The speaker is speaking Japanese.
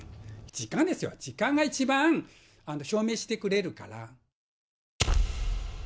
時間ですよ、時間が一番証明してくれるから。